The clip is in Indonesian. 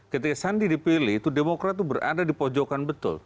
ketika sandi dipilih itu demokrat itu berada di pojokan betul